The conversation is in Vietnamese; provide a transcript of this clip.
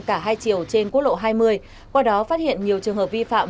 cả hai chiều trên quốc lộ hai mươi qua đó phát hiện nhiều trường hợp vi phạm